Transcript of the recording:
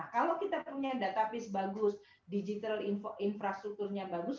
kalau kita punya data piece bagus digital infrastrukturnya bagus